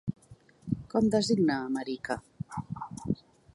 Com designa a Marica?